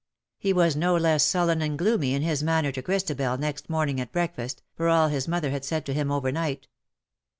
He was no less sullen and gloomy in his manner to Christabel next morning at breakfast, for all his mother had said to him overnight.